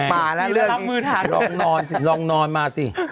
ปลาแล้วเรื่องนี้รองนอนมาซิ